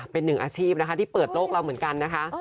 เป็นหนึ่งอาชีพนะคะที่เปิดโลกเราเหมือนกันนะคะ